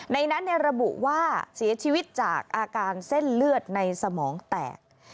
ในนั้นระบุว่าเสียชีวิตจากอาการเส้นเลือดในสมองแตก